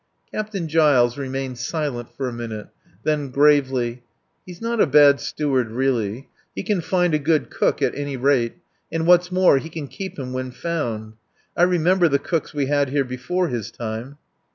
Captain Giles remained silent for a minute. Then gravely: "He's not a bad steward really. He can find a good cook, at any rate. And, what's more, he can keep him when found. I remember the cooks we had here before his time!